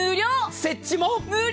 設置も無料！